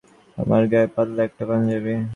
আমার গায়ে পাতলা একটা পাঞ্জাবি।